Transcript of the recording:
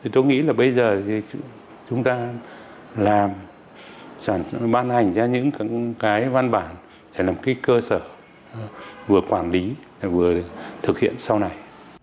tôi nghĩ là bây giờ chúng ta làm bán hành ra những cái văn bản để làm cái cơ sở vừa quản lý vừa thực hiện sau này